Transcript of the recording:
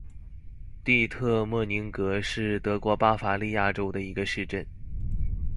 蒂特莫宁格是德国巴伐利亚州的一个市镇。